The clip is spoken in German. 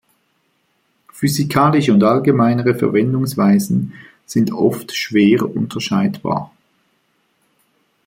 Physikalische und allgemeinere Verwendungsweisen sind oft schwer unterscheidbar.